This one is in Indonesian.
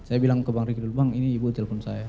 saya bilang ke bang riki dulu bang ini ibu telpon saya